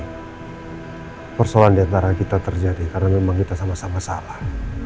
ini persoalan diantara kita terjadi karena memang kita sama sama salah